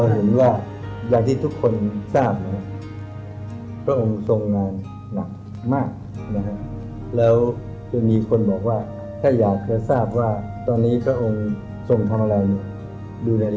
สุดแล้วที่สุดแล้วโภยบุญบรมิแผนศุกร์ยอดของชีวิต